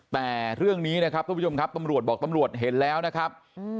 แต่เรื่องนี้นะครับทุกผู้ชมครับตำรวจบอกตำรวจเห็นแล้วนะครับ